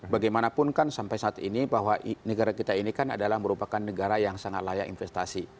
bagaimanapun kan sampai saat ini bahwa negara kita ini kan adalah merupakan negara yang sangat layak investasi